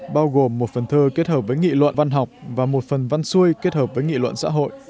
bao gồm một phần thơ kết hợp với nghị luận văn học và một phần văn xuôi kết hợp với nghị luận xã hội